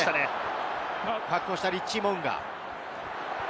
確保したリッチー・モウンガ。